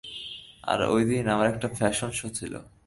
আর ঐদিন আমার একটা ফ্যাশান শো ছিলো।